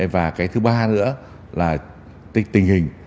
và cái thứ ba nữa là tình hình